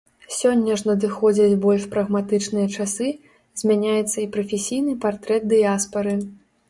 Сёння ж надыходзяць больш прагматычныя часы, змяняецца і прафесійны партрэт дыяспары.